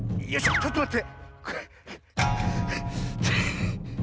ちょっとまって。